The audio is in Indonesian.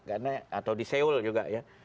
karena atau di seoul juga ya